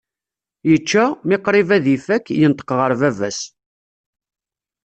Yečča, mi qrib ad ifak, yenṭeq ɣer baba-s.